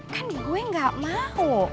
kan gue gak mau